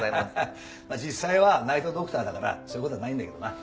実際はナイトドクターだからそういう事はないんだけどな。